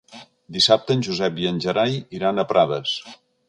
Dissabte en Josep i en Gerai iran a Prades.